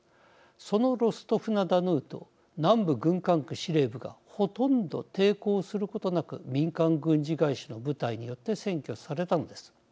そのロストフ・ナ・ドヌーと南部軍管区司令部がほとんど抵抗することなく民間軍事会社の部隊によって占拠されたのです。